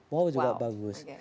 wow juga bagus